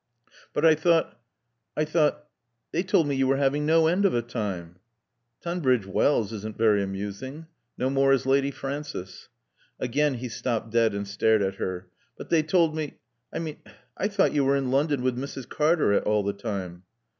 "But I thought I thought They told me you were having no end of a time." "Tunbridge Wells isn't very amusing. No more is Lady Frances." Again he stopped dead and stared at her. "But they told me I mean I thought you were in London with Mrs. Cartaret, all the time."